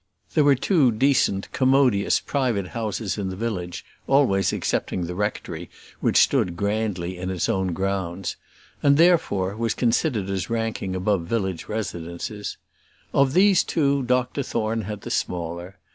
There were two decent, commodious, private houses in the village always excepting the rectory, which stood grandly in its own grounds, and, therefore, was considered as ranking above the village residences of these two Dr Thorne had the smaller.